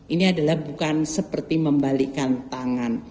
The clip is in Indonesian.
ini adalah bukan seperti membalikan tangan